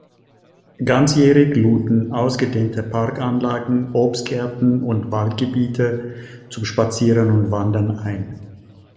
Ganzjährig luden ausgedehnte Parkanlagen, Obstgärten und Waldgebiete zum Spazieren und Wandern ein.